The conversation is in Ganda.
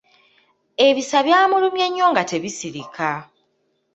Ebisa byamulumye nnyo nga tebisirika.